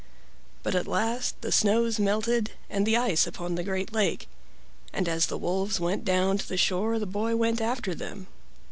But at last the snows melted and the ice upon the great lake, and as the wolves went down to the shore the boy went after them.